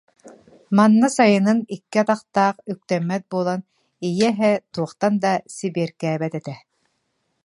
Манна сайынын икки атах- таах үктэммэт буолан ийэ эһэ туохтан да сибиэркээбэт этэ